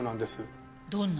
どんな？